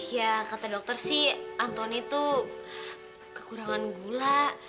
ya kata dokter sih antoni tuh kekurangan gula